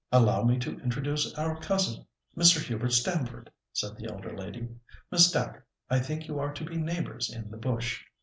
"Allow me to introduce our cousin, Mr. Hubert Stamford," said the elder lady; "Miss Dacre, I think you are to be neighbours in the bush."